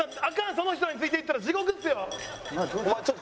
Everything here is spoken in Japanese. その人についていったら地獄っすよ。